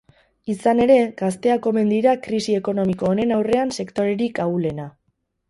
Izan ere, gazteak omen dira krisi ekonomiko honen aurrean sektorerik ahulena.